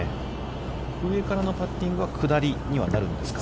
上からのパッティングは下りにはなるんですか。